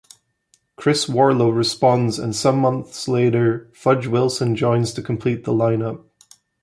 Chris Warlow responds and some months later Fudge Wilson joins to complete the line-up.